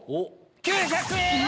９００円！